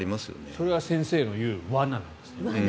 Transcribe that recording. それは先生の言う罠なんですよね。